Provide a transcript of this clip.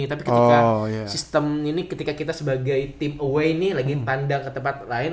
tapi ketika sistem ini ketika kita sebagai tim away ini lagi pandang ke tempat lain